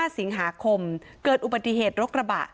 สิงหาคมเกิดอุบัติเหตุรถกระบะ